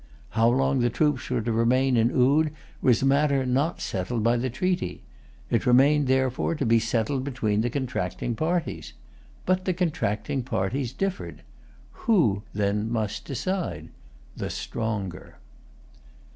How long the troops were to remain in Oude was a matter not settled by the treaty. It remained, therefore, to be settled between the contracting parties. But the contracting parties differed. Who then must decide? The stronger.